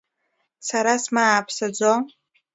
Сара смааԥсаӡо.